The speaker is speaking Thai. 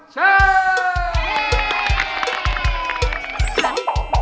เช่น